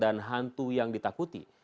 bukanlah hantu yang ditakuti